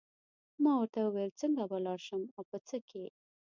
ما ورته وویل څنګه به لاړ شم او په څه کې.